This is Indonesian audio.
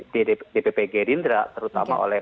di dpp gerindra terutama oleh